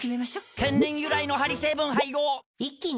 天然由来のハリ成分配合一気に！